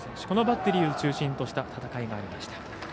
このバッテリーを中心とした戦いがありました。